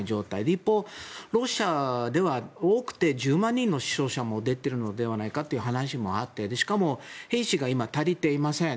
一方、ロシアでは多くて１０万人の死傷者も出てるのではないかという話もあってしかも兵士が足りていません。